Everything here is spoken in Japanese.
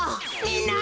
みんな！